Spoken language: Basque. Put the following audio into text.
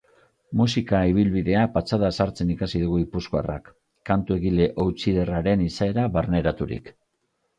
Musika ibilbidea patxadaz hartzen ikasi du gipuzkoarrak, kantu egile outsider-aren izaera barneraturik.